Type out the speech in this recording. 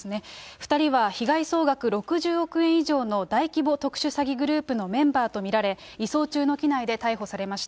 ２人は被害総額６０億円以上の大規模特殊詐欺グループのメンバーと見られ、移送中の機内で逮捕されました。